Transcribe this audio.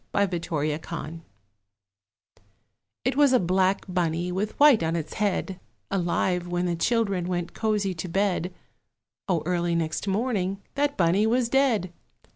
BLACK BUNNY It was a black Bunny, with white in its head, Alive when the children went cosy to bed O early next morning that Bunny was dead!